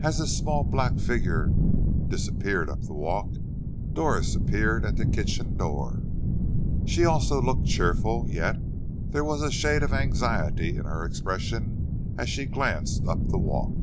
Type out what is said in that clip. As his small black figure disappeared up the walk Doris appeared at the kitchen door. She also looked cheerful, yet there was a shade of anxiety in her expression as she glanced up the walk.